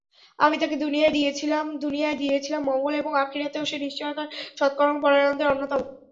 আমি তাকে দুনিয়ায় দিয়েছিলাম মঙ্গল এবং আখিরাতেও সে নিশ্চয়ই সৎকর্মপরায়ণদের অন্যতম।